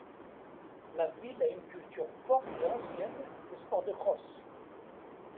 La ville a une culture forte et ancienne des sports de crosse.